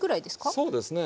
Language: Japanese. そうですね。